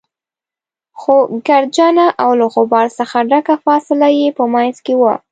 خو ګردجنه او له غبار څخه ډکه فاصله يې په منځ کې وه.